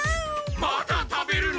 まだ食べるの？